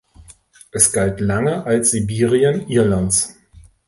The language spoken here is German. Es galt lange als „Sibirien Irlands“.